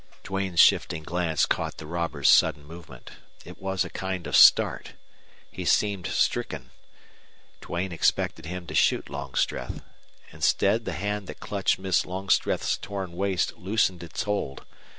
Duane's shifting glance caught the robber's sudden movement. It was a kind of start. He seemed stricken. Duane expected him to shoot Longstreth. Instead the hand that clutched Miss Longstreth's torn waist loosened its hold.